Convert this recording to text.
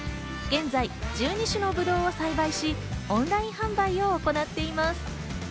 現在、１２種のブドウを栽培し、オンライン販売を行っています。